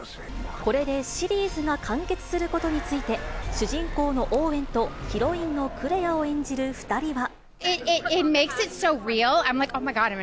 これでシリーズが完結することについて、主人公のオーウェンと、ヒロインのクレアを演じる２人は。